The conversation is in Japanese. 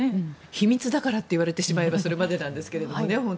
秘密だからって言われてしまえば本当にそれまでなんですけれどもね。